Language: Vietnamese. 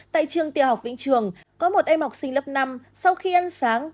tại trường tiểu học vĩnh trường có một em học sinh lớp năm sau khi ăn sáng